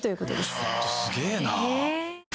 すげぇな。